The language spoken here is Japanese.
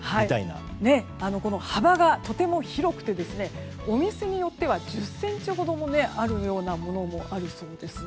幅がとても広くてお店によっては１０ｃｍほどもあるようなものもあるそうです。